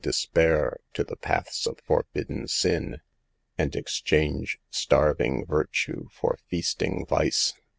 despair, to the paths of forbidden sin, and exchange starving virtue for feasting vice.